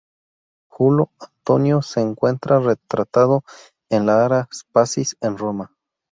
Julo Antonio se encuentra retratado en la Ara Pacis en Roma.